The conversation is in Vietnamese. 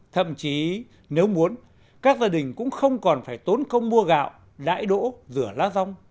thậm chí nếu muốn các gia đình cũng không còn phải tốn công mua gạo đãi đỗ rửa lá rong